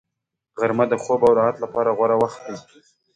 غرمه د خوب او راحت لپاره غوره وخت دی